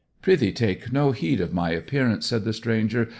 'Prithee take no heed of my appearance,' said the stranger.